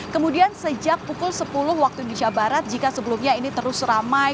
kemudian sejak pukul sepuluh waktu indonesia barat jika sebelumnya ini terus ramai